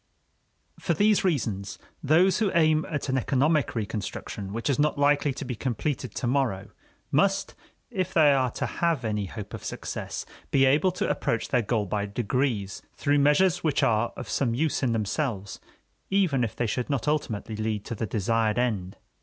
For these reasons, those who aim at an economic reconstruction which is not likely to be completed to morrow must, if they are to have any hope of success, be able to approach their goal by degrees, through measures which are of some use in themselves, even if they should not ultimately lead to the desired end.